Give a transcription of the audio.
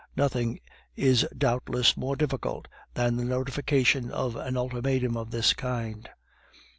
Nothing is doubtless more difficult than the notification of an ultimatum of this kind.